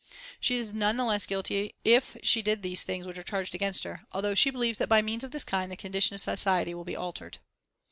She is none the less guilty if she did these things which are charged against her, although she believes that by means of this kind the condition of society will be altered."